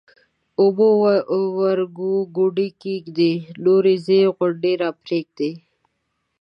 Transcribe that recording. اوبه ورګو ګوډي کښېږدئ ـ نورې ځئ غونډه راپرېږدئ